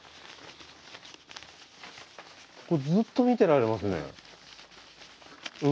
これずっと見てられますね。